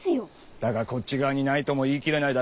だが「こっち側」にないとも言い切れないだろッ。